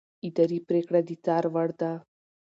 اداري پرېکړه د څار وړ ده.